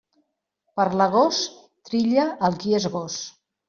Per l'agost trilla el qui és gos.